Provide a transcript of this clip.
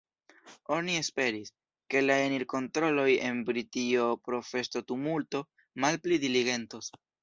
Oni esperis, ke la enir-kontroloj en Britio pro festo-tumulto malpli diligentos.